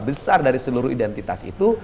besar dari seluruh identitas itu